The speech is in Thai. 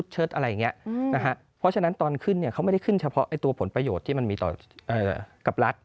เพราะฉะนั้นตอนขึ้นเขาไม่ได้ขึ้นเฉพาะตัวผลประโยชน์ที่มันมีต่อกับรัฐ